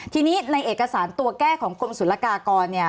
ทีนี้ในเอกสารตัวแก้ของกรมศุลกากรเนี่ย